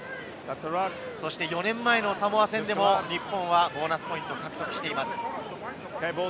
４年前のサモア戦でも日本はボーナスポイントを獲得しています。